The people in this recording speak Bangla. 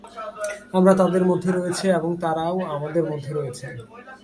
আমরা তাঁদের মধ্যে রয়েছি এবং তাঁরাও আমাদের মধ্যে রয়েছেন।